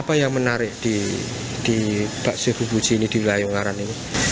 apa yang menarik di bakso buji ini di wilayah ungaran ini